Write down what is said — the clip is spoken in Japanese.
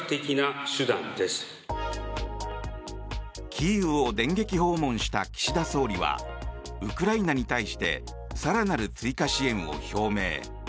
キーウを電撃訪問した岸田総理はウクライナに対して更なる追加支援を表明。